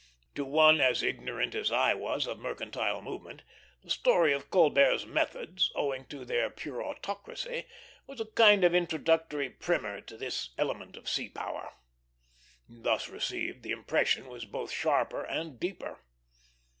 To one as ignorant as I was of mercantile movement, the story of Colbert's methods, owing to their pure autocracy, was a kind of introductory primer to this element of sea power. Thus received, the impression was both sharper and deeper.